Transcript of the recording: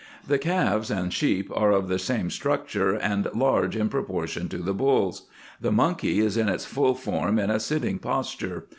The calves and sheep are of the same structure, and large in proportion to the bulls. The monkey is in its full form, in a sitting posture.